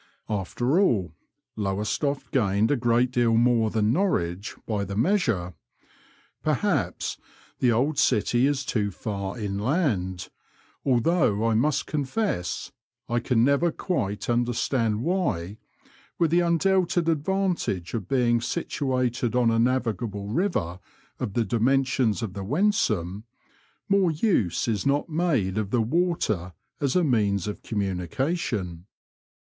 After Digitized by VjOOQIC LOWESTOFT TO BECCLES. 85 all, Lowestoft gained a great deal more than Norwich by the measure ; perhaps the old city is too far inland ; although I must confess I can never quite understand why, with the undoubted advantage of being situated on a navigable river of the dimensions of the Wensum, more use is not made of the water as a means of communication.